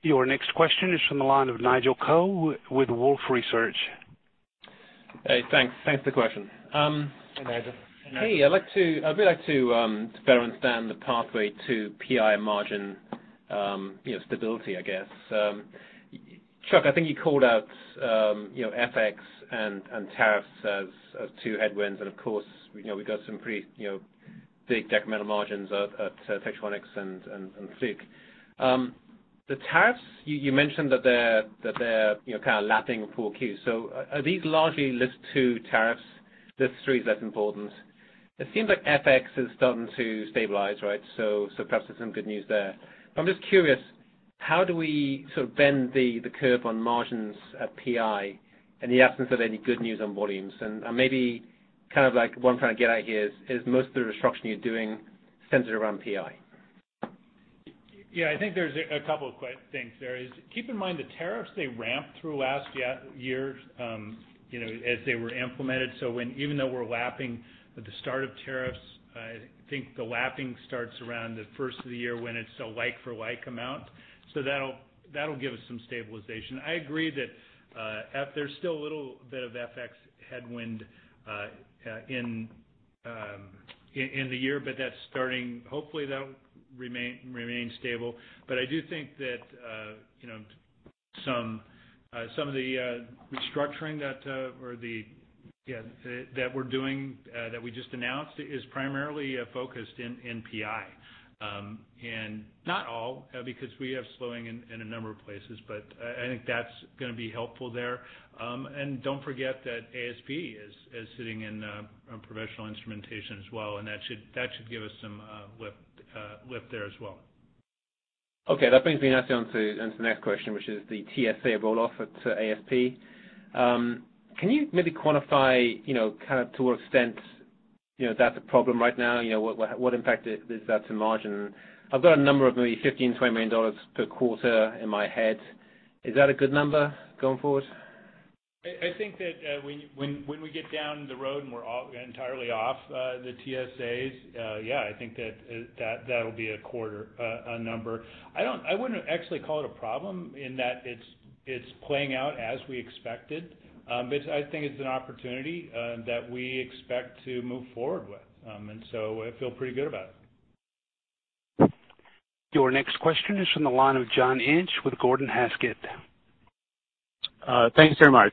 Your next question is from the line of Nigel Coe with Wolfe Research. Hey, thanks for the question. Hey, Nigel. Hey, I'd really like to better understand the pathway to PI margin stability, I guess. Chuck, I think you called out FX and tariffs as two headwinds. Of course, we've got some pretty big detrimental margins at Tektronix and Fluke. The tariffs, you mentioned that they're kind of lapping a poor Q. Are these largely list two tariffs, list three is less important? It seems like FX has started to stabilize, right? Perhaps there's some good news there. I'm just curious, how do we sort of bend the curve on margins at PI in the absence of any good news on volumes? Maybe what I'm trying to get at here is most of the restructuring you're doing centered around PI? Yeah, I think there's a couple of things there is keep in mind the tariffs they ramped through last year as they were implemented. Even though we're lapping with the start of tariffs, I think the lapping starts around the first of the year when it's still like-for-like amount. That'll give us some stabilization. I agree that there's still a little bit of FX headwind in the year, but hopefully that will remain stable. I do think that some of the restructuring that we're doing, that we just announced, is primarily focused in PI. Not all, because we have slowing in a number of places, but I think that's going to be helpful there. Don't forget that ASP is sitting in Professional Instrumentation as well, and that should give us some lift there as well. Okay. That brings me nicely onto the next question, which is the TSA roll-off at ASP. Can you maybe quantify to what extent that's a problem right now? What impact does that to margin? I've got a number of maybe $15, $20 million per quarter in my head. Is that a good number going forward? I think that when we get down the road and we're entirely off the TSAs, yeah, I think that'll be a number. I wouldn't actually call it a problem in that it's playing out as we expected. I think it's an opportunity that we expect to move forward with. I feel pretty good about it. Your next question is from the line of John Inch with Gordon Haskett. Thanks very much.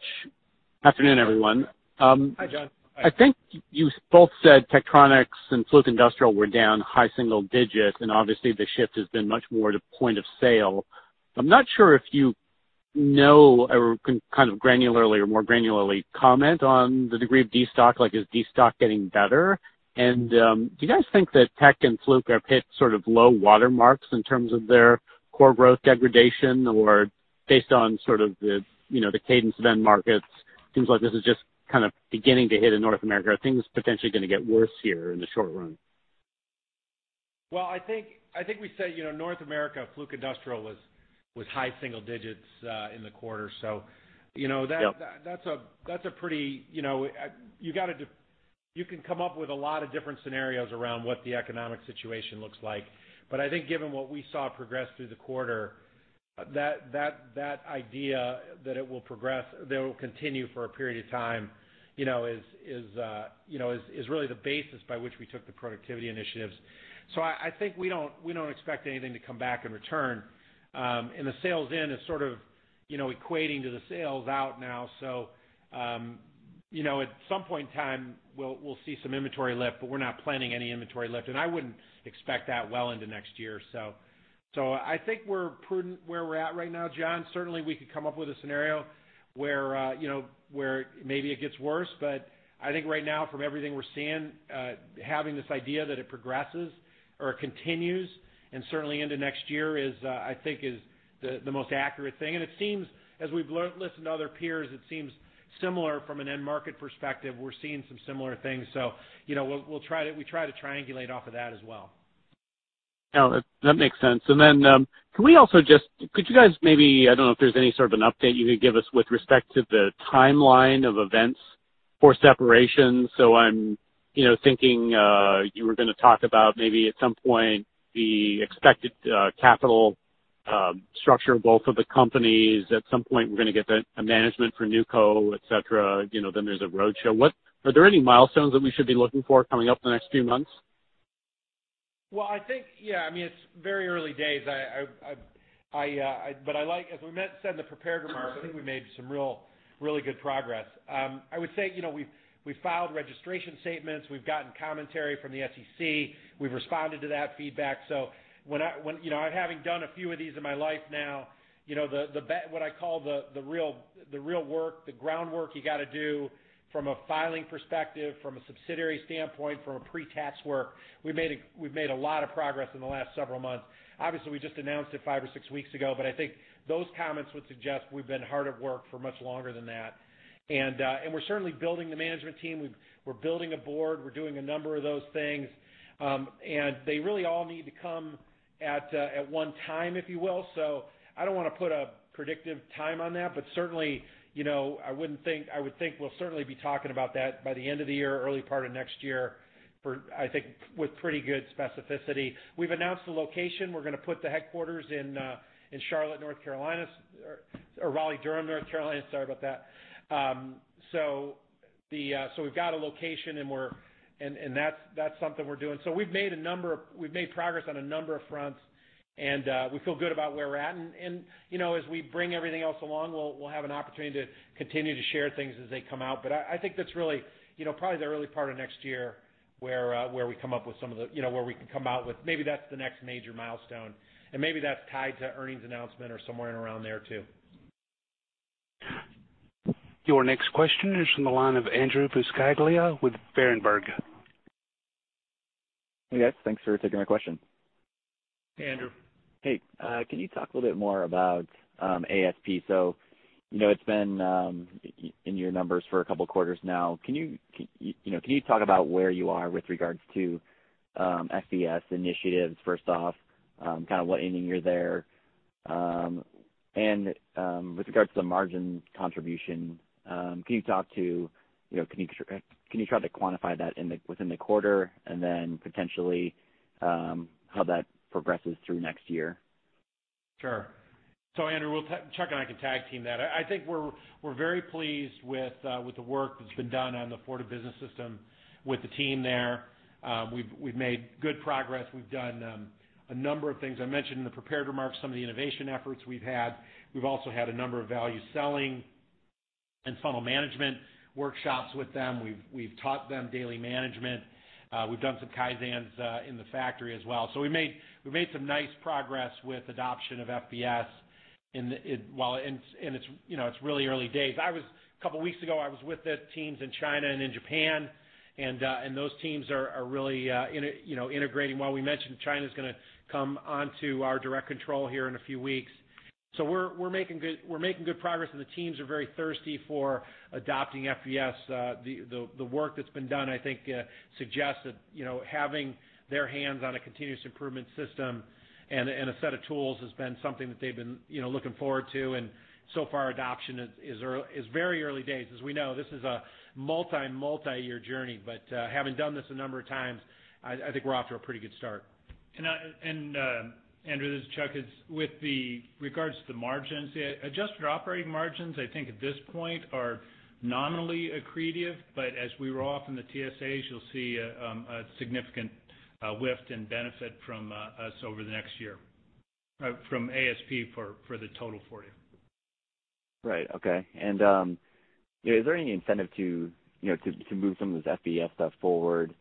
Afternoon, everyone. Hi, John. I think you both said Tektronix and Fluke Industrial were down high single digits, obviously the shift has been much more to point of sale. I'm not sure if you know or can kind of granularly or more granularly comment on the degree of destock, like is destock getting better? Do you guys think that Tech and Fluke have hit sort of low water marks in terms of their core growth degradation or based on sort of the cadence of end markets? Seems like this is just kind of beginning to hit in North America. Are things potentially going to get worse here in the short run? Well, I think we said, North America, Fluke Industrial was high single digits, in the quarter. Yep. You can come up with a lot of different scenarios around what the economic situation looks like. I think given what we saw progress through the quarter, that idea that it will progress, that it will continue for a period of time is really the basis by which we took the productivity initiatives. I think we don't expect anything to come back and return. The sales in is sort of equating to the sales out now. At some point in time, we'll see some inventory lift, but we're not planning any inventory lift, and I wouldn't expect that well into next year. I think we're prudent where we're at right now, John. Certainly, we could come up with a scenario where maybe it gets worse. I think right now, from everything we're seeing, having this idea that it progresses or continues, and certainly into next year is, I think, is the most accurate thing. It seems, as we've listened to other peers, it seems similar from an end market perspective. We're seeing some similar things. We try to triangulate off of that as well. No, that makes sense. Could you guys maybe, I don't know if there's any sort of an update you could give us with respect to the timeline of events for separation? I'm thinking, you were going to talk about maybe at some point the expected capital structure of both of the companies. At some point, we're going to get a management for Vontier, et cetera. There's a roadshow. Are there any milestones that we should be looking for coming up in the next few months? Well, I think, yeah, it's very early days. As we said in the prepared remarks, I think we made some really good progress. I would say, we've filed registration statements, we've gotten commentary from the SEC, we've responded to that feedback. Having done a few of these in my life now, what I call the real work, the groundwork you got to do from a filing perspective, from a subsidiary standpoint, from a pre-tax work, we've made a lot of progress in the last several months. Obviously, we just announced it five or six weeks ago, but I think those comments would suggest we've been hard at work for much longer than that. We're certainly building the management team. We're building a board. We're doing a number of those things. They really all need to come at one time, if you will. I don't want to put a predictive time on that, but certainly, I would think we'll certainly be talking about that by the end of the year or early part of next year for, I think, with pretty good specificity. We've announced the location. We're going to put the headquarters in Charlotte, North Carolina, or Raleigh, Durham, North Carolina. Sorry about that. We've got a location, and that's something we're doing. We've made progress on a number of fronts, and we feel good about where we're at. As we bring everything else along, we'll have an opportunity to continue to share things as they come out. I think that's really, probably the early part of next year where we can come out with maybe that's the next major milestone. Maybe that's tied to earnings announcement or somewhere in around there, too. Your next question is from the line of Andrew Obin with Bank of America.. Hey, guys, thanks for taking my question. Hey, Andrew. Hey. Can you talk a little bit more about ASP? It's been in your numbers for a couple of quarters now. Can you talk about where you are with regards to FBS initiatives, first off, kind of what inning you're there? With regards to the margin contribution, can you try to quantify that within the quarter and then potentially, how that progresses through next year? Sure. Andrew, Chuck and I can tag team that. I think we're very pleased with the work that's been done on the Fortive Business System with the team there. We've made good progress. We've done a number of things. I mentioned in the prepared remarks some of the innovation efforts we've had. We've also had a number of value selling and funnel management workshops with them. We've taught them daily management. We've done some kaizens in the factory as well. We made some nice progress with adoption of FBS, and it's really early days. A couple of weeks ago, I was with the teams in China and in Japan, and those teams are really integrating. While we mentioned China's going to come onto our direct control here in a few weeks. We're making good progress, and the teams are very thirsty for adopting FBS. The work that's been done, I think, suggests that having their hands on a continuous improvement system and a set of tools has been something that they've been looking forward to. So far, adoption is very early days. As we know, this is a multi-year journey, but having done this a number of times, I think we're off to a pretty good start. Andrew, this is Chuck. With the regards to the margins, adjusted operating margins, I think at this point are nominally accretive, but as we roll off in the TSAs, you'll see a significant lift in benefit from us over the next year from ASP for the total Fortive. Right. Okay. Is there any incentive to move some of this FBS stuff forward,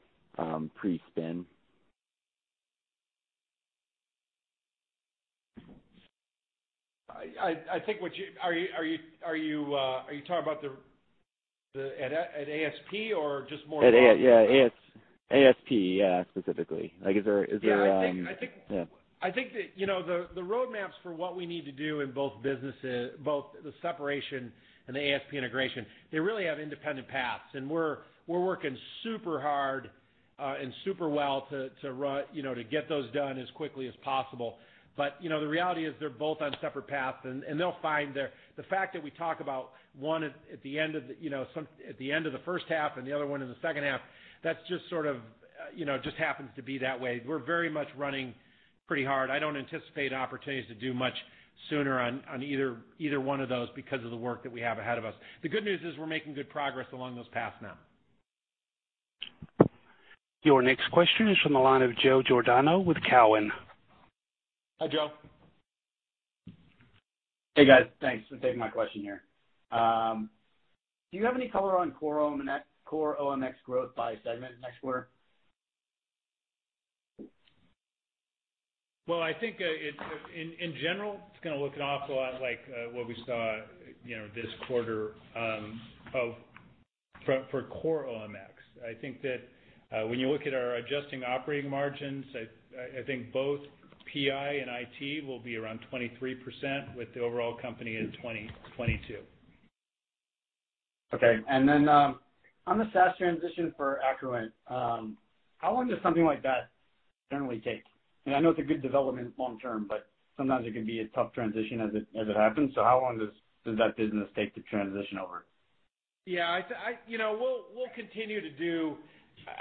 pre-spin? Are you talking about at ASP or just more- Yeah. ASP specifically. Yeah. I think that the roadmaps for what we need to do in both the separation and the ASP integration, they really have independent paths. We're working super hard and super well to get those done as quickly as possible. The reality is they're both on separate paths, and The fact that we talk about one at the end of the first half and the other one in the second half, that just happens to be that way. We're very much running pretty hard. I don't anticipate opportunities to do much sooner on either one of those because of the work that we have ahead of us. The good news is we're making good progress along those paths now. Your next question is from the line of Joe Giordano with Cowen. Hi, Joe. Hey, guys. Thanks for taking my question here. Do you have any color on core OMX growth by segment next quarter? Well, I think, in general, it's going to look an awful lot like what we saw this quarter for core OMX. I think that when you look at our adjusting operating margins, I think both PI and IT will be around 23% with the overall company at 22%. Okay. On the SaaS transition for Accruent, how long does something like that generally take? I know it's a good development long term, but sometimes it can be a tough transition as it happens, so how long does that business take to transition over? We'll continue to do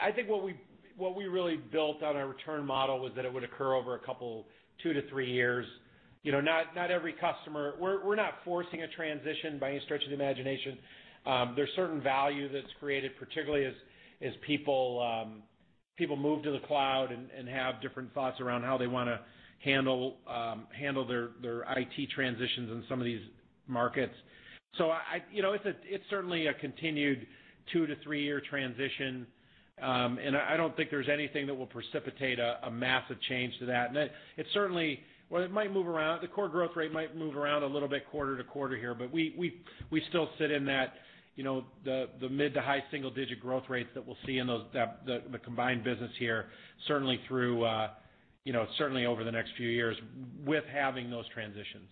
I think what we really built on our return model was that it would occur over a couple, two to three years. We're not forcing a transition by any stretch of the imagination. There's certain value that's created, particularly as people move to the cloud and have different thoughts around how they want to handle their IT transitions in some of these markets. It's certainly a continued two- to three-year transition. I don't think there's anything that will precipitate a massive change to that. It might move around. The core growth rate might move around a little bit quarter to quarter here, but we still sit in the mid to high single-digit growth rates that we'll see in the combined business here, certainly over the next few years with having those transitions.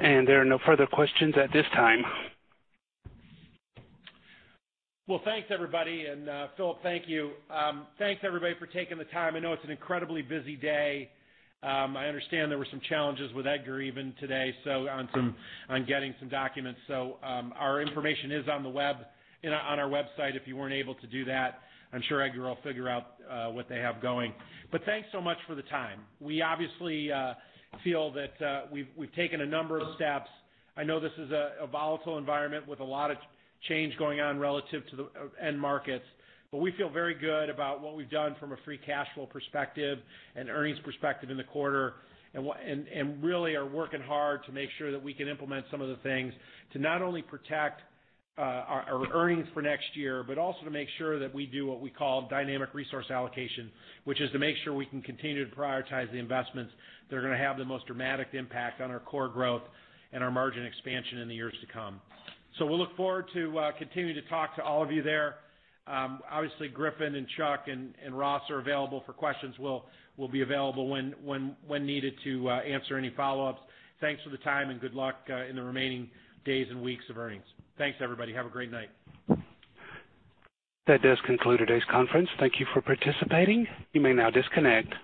There are no further questions at this time. Well, thanks, everybody, and Philip, thank you. Thanks, everybody, for taking the time. I know it's an incredibly busy day. I understand there were some challenges with EDGAR even today on getting some documents. Our information is on our website if you weren't able to do that. I'm sure EDGAR will figure out what they have going. Thanks so much for the time. We obviously feel that we've taken a number of steps. I know this is a volatile environment with a lot of change going on relative to the end markets. We feel very good about what we've done from a free cash flow perspective and earnings perspective in the quarter. Really are working hard to make sure that we can implement some of the things to not only protect our earnings for next year, but also to make sure that we do what we call dynamic resource allocation, which is to make sure we can continue to prioritize the investments that are going to have the most dramatic impact on our core growth and our margin expansion in the years to come. We'll look forward to continuing to talk to all of you there. Obviously, Griffin and Chuck and Ross are available for questions. We'll be available when needed to answer any follow-ups. Thanks for the time and good luck in the remaining days and weeks of earnings. Thanks, everybody. Have a great night. That does conclude today's conference. Thank you for participating. You may now disconnect.